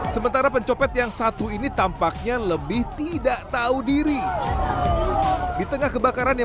sementara pencopet yang satu ini tampaknya lebih tidak tahu diri di tengah kebakaran yang